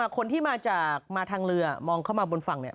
คนที่มาจากมาทางเรือมองเข้ามาบนฝั่งเนี่ย